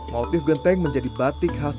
motif genteng menjadi batik khas